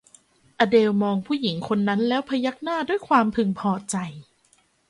อเดลมองผู้หญิงคนนั้นแล้วพยักหน้าด้วยความพึงพอใจ